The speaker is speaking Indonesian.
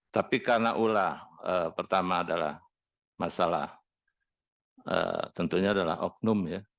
tapi karena ulah pertama adalah masalah tentunya adalah oknum ya